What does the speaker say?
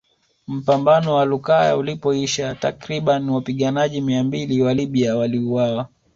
Mpambano wa Lukaya ulipoisha takriban wapiganajji mia mbili wa Libya waliuawa